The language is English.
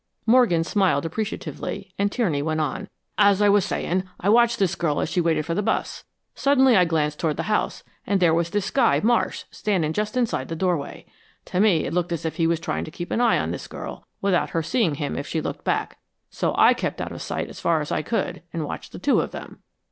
Morgan smiled appreciatively, and Tierney went on. "As I was saying, I watched this girl as she waited for the bus. Suddenly I glanced toward the house, and there was this guy, Marsh, standing just inside the doorway. To me it looked as if he was trying to keep an eye on this girl, without her seeing him if she looked back. So I kept out of sight as far as I could and watched the two of them.